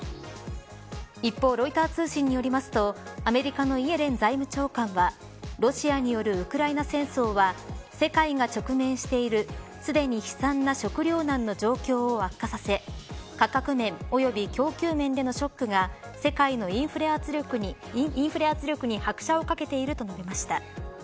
一方、ロイター通信によりますとアメリカのイエレン財務長官はロシアによるウクライナ戦争は世界が直面しているすでに悲惨な食糧難の状況を悪化させ価格面及び供給面でのショックが世界のインフレ圧力に拍車をかけていると述べました。